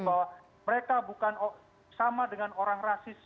bahwa mereka bukan sama dengan orang rasis